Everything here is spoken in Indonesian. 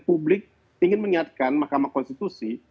publik ingin mengingatkan mahkamah konstitusi